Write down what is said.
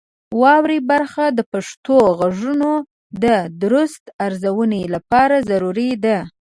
واورئ برخه د پښتو غږونو د درست ارزونې لپاره ضروري ده.